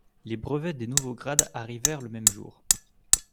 Les brevets des nouveaux grades arrivèrent le même jour.